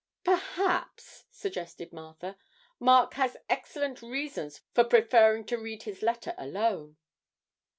'Perhaps,' suggested Martha, 'Mark has excellent reasons for preferring to read his letter alone.'